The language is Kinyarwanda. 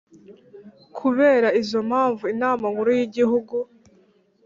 Kubera izo mpamvu Inama Nkuru y Igihugu